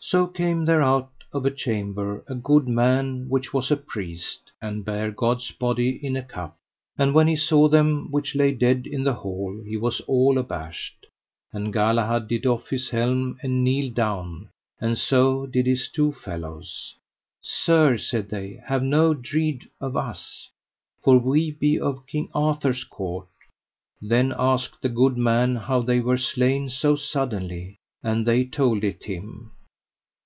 So came there out of a chamber a good man which was a priest, and bare God's body in a cup. And when he saw them which lay dead in the hall he was all abashed; and Galahad did off his helm and kneeled down, and so did his two fellows. Sir, said they, have ye no dread of us, for we be of King Arthur's court. Then asked the good man how they were slain so suddenly, and they told it him.